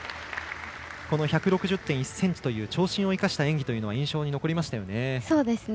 １６０．１ｃｍという長身を生かした演技というのは印象に残りましたよね。